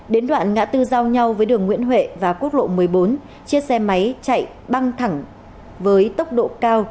đến đoạn ngã tư giao nhau với đường nguyễn huệ và quốc lộ một mươi bốn chiếc xe máy chạy băng thẳng với tốc độ cao